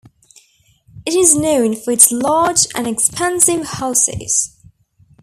It is known for its large and expensive houses.